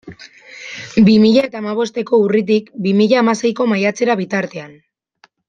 Bi mila eta hamabosteko urritik bi mila hamaseiko maiatzera bitartean.